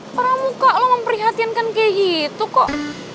parah muka lo memprihatinkan kayak gitu kok